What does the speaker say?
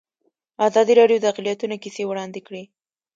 ازادي راډیو د اقلیتونه کیسې وړاندې کړي.